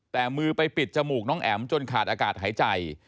แต่มือไปปิดจมูกน้องแอ๋มจนขาดอากาศหายใจ